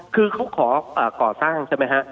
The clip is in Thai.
คือเขาขอก่อสร้างใช่ไหมฮะ